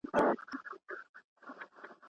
او د زورورو «په ناورین پسې ناورین» دې یې